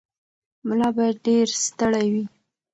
ملا باید ډېر ستړی وي.